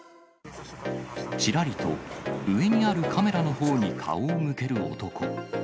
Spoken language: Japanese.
ちらりと上にあるカメラのほうに顔を向ける男。